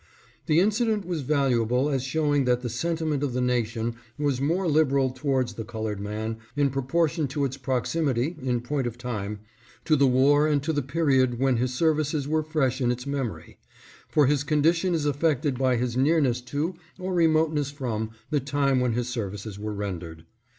The incident was valuable as showing that the senti ment of the nation was more liberal towards the colored man in proportion to its proximity, in point of time, to the war and to the period when his services were fresh in its memory, for his condition is affected by his near ness to or remoteness from the time when his services were rendered.